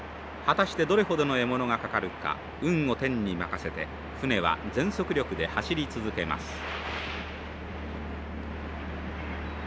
果たしてどれほどの獲物がかかるか運を天に任せて船は全速力で走り続けます。